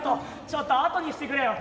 ちょっとあとにしてくれよ。